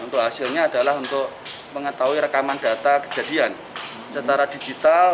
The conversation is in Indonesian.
untuk hasilnya adalah untuk mengetahui rekaman data kejadian secara digital